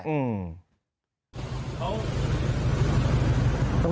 อืม